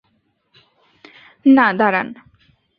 না, দাঁড়ান।